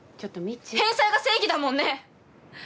返済が正義だもんね！